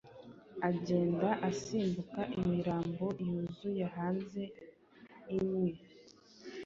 agenda asimbuka imirambo yuzuye hanze, imwe